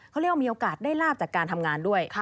เขาเรียกว่ามีโอกาสได้ลาบจากการทำงานด้วย